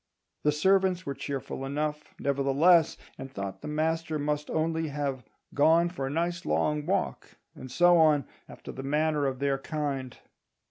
The servants were cheerful enough, nevertheless, and thought the master must only have "gone for a nice long walk," and so on, after the manner of their kind.